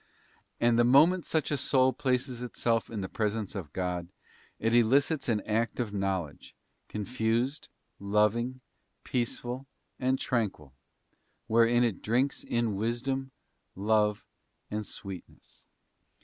And the moment such a soul places itself in the presence of God, it elicits an act of know ledge, confused, loving, peaceful, and tranquil, wherein it drinks in wisdom, love, and sweetness.